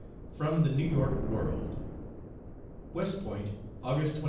(From the New York World.) "WEST POINT, August 29.